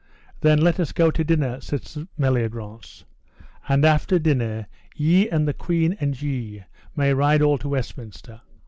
Then let us go to dinner, said Meliagrance, and after dinner ye and the queen and ye may ride all to Westminster.